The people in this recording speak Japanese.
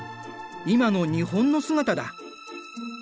今の日本の姿だ。